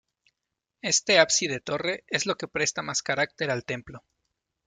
Este ábside-torre es lo que presta más carácter al templo.